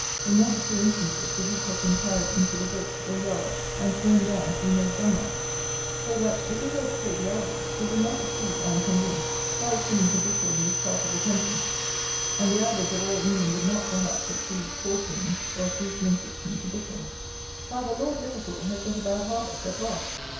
In not a few instances the wheat has been carried into the gate, or yard, and thrown down to be made dung of. So that, if we were to take the average, it would not exceed, I am convinced, 5_s._ a bushel in this part of the country; and the average of all England would not, perhaps, exceed 4_s._ or 3_s._ 6_d._ a bushel. However, LORD LIVERPOOL has got a bad harvest at last!